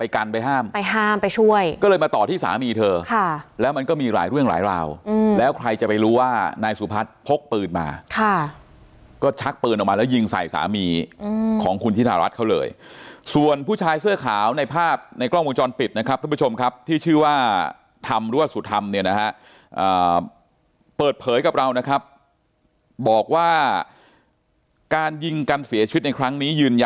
กันไปห้ามไปห้ามไปช่วยก็เลยมาต่อที่สามีเธอค่ะแล้วมันก็มีหลายเรื่องหลายราวแล้วใครจะไปรู้ว่านายสุพัฒน์พกปืนมาค่ะก็ชักปืนออกมาแล้วยิงใส่สามีของคุณธิธารัฐเขาเลยส่วนผู้ชายเสื้อขาวในภาพในกล้องวงจรปิดนะครับทุกผู้ชมครับที่ชื่อว่าธรรมหรือว่าสุธรรมเนี่ยนะฮะเปิดเผยกับเรานะครับบอกว่าการยิงกันเสียชีวิตในครั้งนี้ยืนย